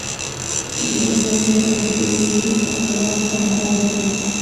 له دویم ځل وچېدلو وروسته هماغه ساحه رنګ کړئ.